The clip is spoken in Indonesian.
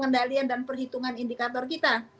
karena itu adalah perhitungan indikator kita